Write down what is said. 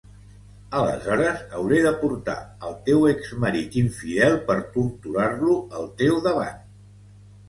Aleshores, hauré de portar el teu exmarit infidel per torturar-lo al teu davant